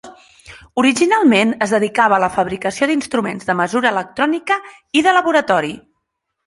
Originalment es dedicava a la fabricació d'instruments de mesura electrònica i de laboratori.